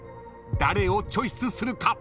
［誰をチョイスするか？］